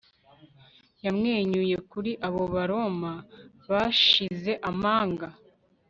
Yamwenyuye kuri abo Baroma bashize amanga